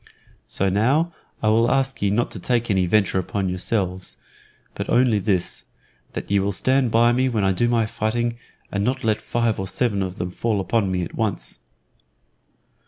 So now I will ask ye not to take any venture upon yourselves, but only this: that ye will stand by me when I do my fighting, and not let five or seven of them fall upon me at once.